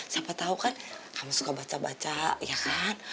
siapa tahu kan kamu suka baca baca ya kan